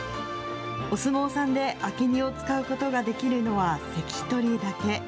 お相撲さんで、明け荷を使うことができるのは関取だけ。